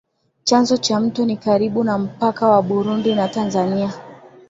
Chanzo cha mto ni karibu na mpaka wa Burundi na Tanzania